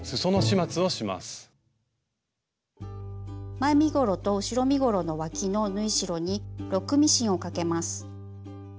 前身ごろと後ろ身ごろのわきの縫い代にロックミシンをかけます。